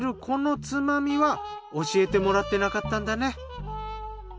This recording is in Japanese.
このつまみは教えてもらってなかったんだね。